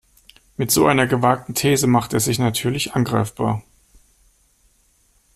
Mit so einer gewagten These macht er sich natürlich angreifbar.